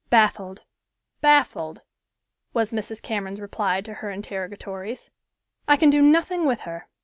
"Baffled, baffled," was Mrs. Cameron's reply to her interrogatories. "I can do nothing with her.